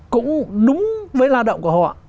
cũng đúng với lao động của họ